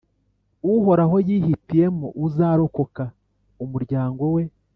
Uhoraho yihitiyemo uzarokora umuryango we